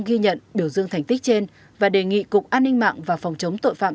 ghi nhận biểu dương thành tích trên và đề nghị cục an ninh mạng và phòng chống tội phạm